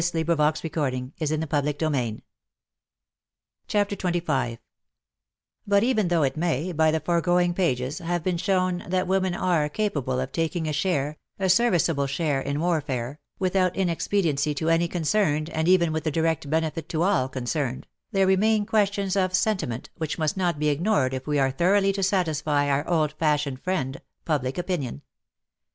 may safely be answered in the affirmative. CHAPTER XXV But even though It may, by the foregoing pages, have been shown thar women are capable of taking a share, a serviceable share, in warfare, without inexpediency to any concerned, and even with direct benefit to all concerned, there remain questions of sentiment which must not be ignored if we are thoroughly to satisfy our old fashioned friend Public Opinion.